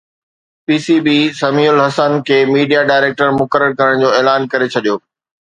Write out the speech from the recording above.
P C B Sami ul Hasan کي media director مقرر ڪرڻ جو اعلان ڪري ڇڏيو